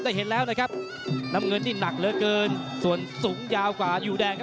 ได้แล้วเข้ามาดสายขวายอดชิงชายได้หนักมากนะครับ